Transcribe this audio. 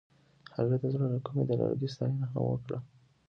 هغې د زړه له کومې د لرګی ستاینه هم وکړه.